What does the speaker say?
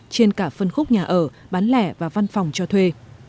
trên cả phân khúc nhà ở bán lẻ và văn phòng cho thuê